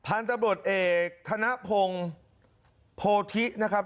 พันธบทเอกธนพงศ์โพธินะครับ